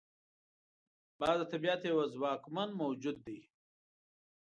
باز د طبیعت یو ځواکمنه موجود ده